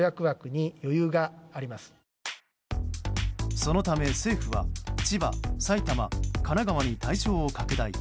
そのため政府は千葉、埼玉、神奈川に対象を拡大。